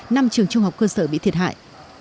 năm trường trung học cơ sở bị thiệt hại